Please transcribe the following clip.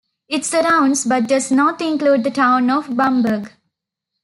It surrounds but does not include the town of Bamberg.